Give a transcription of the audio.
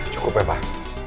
cukup ya pak